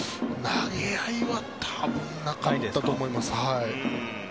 投げ合いは多分なかったと思います。